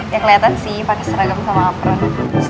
ya kelihatan sih pakai seragam sama apron